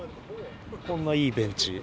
こんないいベンチ。